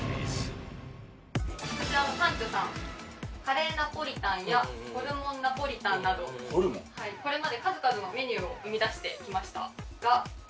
カレーナポリタンやホルモンナポリタンなどこれまで数々のメニューを生み出してきましたが今から５６年前